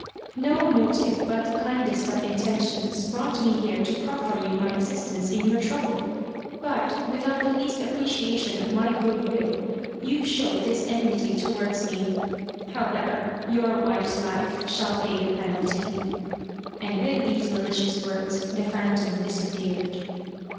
" No motive but the kindest of intentions brought me here to proffer you my assistance in your trouble, 84 The Spirit of the Lantern but without the least appreciation of my goodwill you show this enmity towards me. However, your wife's life shall pay the penalty," and with these malicious words the phantom disappeared.